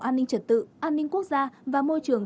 an ninh trật tự an ninh quốc gia và môi trường